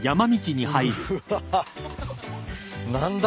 うわ。何だ？